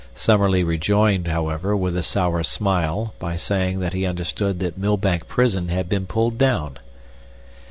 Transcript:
Summerlee rejoined, however, with a sour smile, by saying that he understood that Millbank Prison had been pulled down.